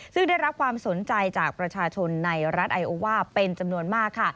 ซึ่งได้รับความสนใจจากประชาชนในรัฐไอโอว่าเป็นจำนวนมากค่ะ